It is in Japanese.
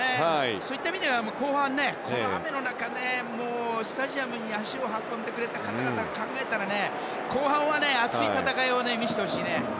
そういった意味では後半、この雨の中スタジアムに足を運んでくれた方々を考えたら後半は、熱い戦いを見せてほしいね。